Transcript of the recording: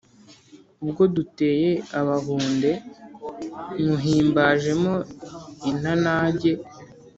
Ubwo duteye Abahunde, nywuhimbajemo intanage